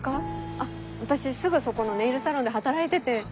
あっ私すぐそこのネイルサロンで働いてて。